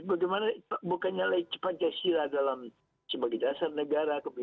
bagaimana bukannya lagi pancasila dalam sebagai dasar negara